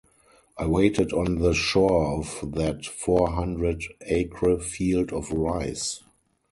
I waited on the shore of that four hundred acre field of rice.